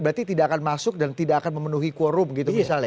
berarti tidak akan masuk dan tidak akan memenuhi quorum gitu misalnya